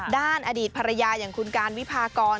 ด้านอดีตภรรยาอย่างคุณการวิพากร